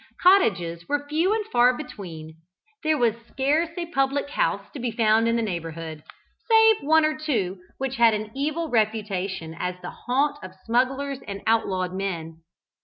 Cottages were few and far between: there was scarce a public house to be found in the neighbourhood, save one or two which had an evil reputation as the haunt of smugglers and outlawed men.